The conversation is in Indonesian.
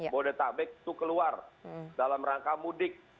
boleh tabek itu keluar dalam rangka mudik